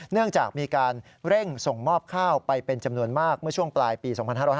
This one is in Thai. เนื่องจากมีการเร่งส่งมอบข้าวไปเป็นจำนวนมากเมื่อช่วงปลายปี๒๕๕๙